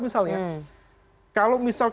misalnya kalau misalnya